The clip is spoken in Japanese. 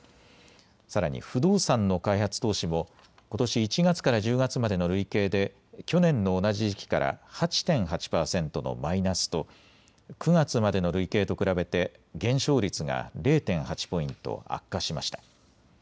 さらに不動産の開発投資もことし１月から１０月までの累計で去年の同じ時期から８．８％のマイナスと９月までの累計と比べて減少率が０．８ポイント悪化しました。